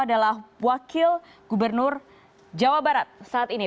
adalah wakil gubernur jawa barat saat ini